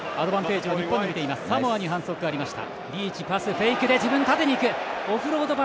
サモアに反則がありました。